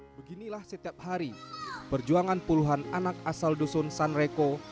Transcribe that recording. beginilah setiap hari perjuangan puluhan anak asal dusun sanreko